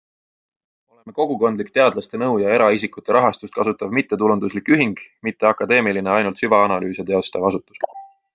Oleme kogukondlik teadlaste nõu ja eraisikute rahastust kasutav mittetulunduslik ühing, mitte akadeemiline ainult süvaanalüüse teostav asutus.